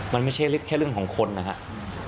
มันไม่ใช่แค่เรื่องของคนนะครับ